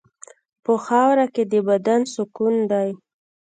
په خاوره کې د بدن سکون دی.